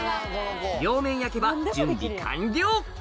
両面焼けば準備完了